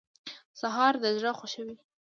سهار د زړه خوښوي.